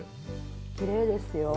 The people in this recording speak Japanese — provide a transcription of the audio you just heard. きれいですよ。